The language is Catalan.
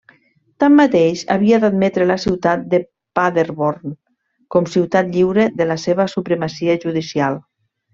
Tanmateix havia d'admetre la ciutat de Paderborn com ciutat lliure de la seva supremacia judicial.